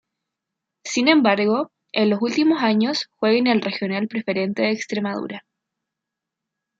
Sin embargo, en los últimos años, juega en la Regional Preferente de Extremadura.